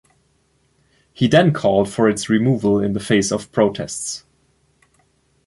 He then called for its removal in the face of protests.